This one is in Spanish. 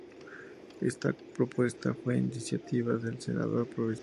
Esta propuesta fue iniciativa del senador provincial Santiago Carreras, del Frente para la Victoria.